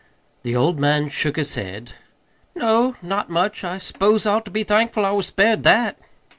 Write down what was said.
The old man shook his head. "No, not much. I s'pose I ought to be thankful I was spared that."